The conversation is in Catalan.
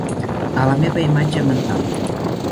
A la meva imatge mental